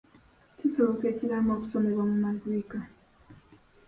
Kisoboka ekiraamo okusomebwa mu maziika.